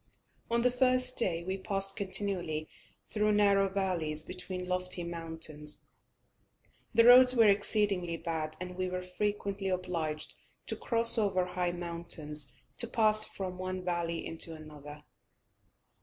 On the first day we passed continually through narrow valleys between lofty mountains. The roads were exceedingly bad, and we were frequently obliged to cross over high mountains to pass from one valley into another.